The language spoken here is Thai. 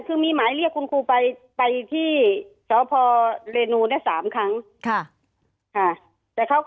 เขาบอกว่าเขาเห็นบ่อคอ๕๖จักรนคร